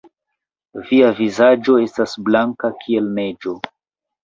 Via vizaĝo estas blanka kiel neĝo!